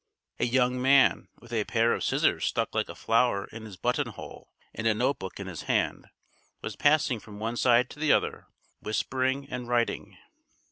A young man, with a pair of scissors stuck like a flower in his buttonhole and a note book in his hand, was passing from one to the other, whispering and writing.